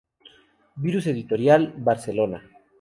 Virus editorial, Barcelona.